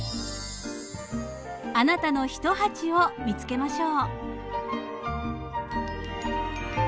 あなたのひと鉢を見つけましょう！